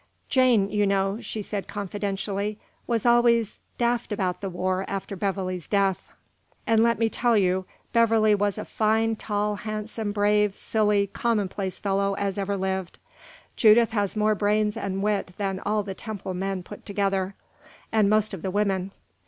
"Jane, you know," she said, confidentially, "was always daft about the war after Beverley's death; and, let me tell you, Beverley was a fine, tall, handsome, brave, silly, commonplace fellow as ever lived. Judith has more brains and wit than all the Temple men put together, and most of the women.